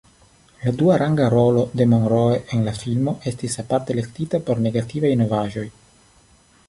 La duaranga rolo de Monroe en la filmo estis aparte elektita por negativaj novaĵoj.